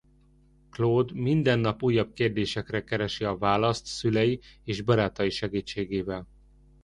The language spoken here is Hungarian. Claude mindennap újabb kérdésre keresi a választ szülei és barátai segítségével.